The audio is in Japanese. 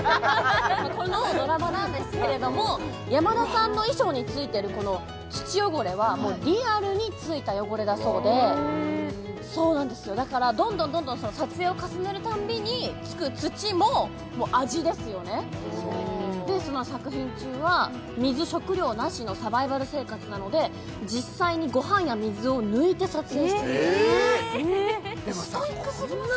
このドラマなんですけれども山田さんの衣装についてるこの土汚れはもうリアルについた汚れだそうで・わあそうなんですよだからどんどん撮影を重ねるたびにつく土ももう味ですよねでその作品中は水食料なしのサバイバル生活なので実際にご飯や水を抜いて撮影してるとストイックすぎません？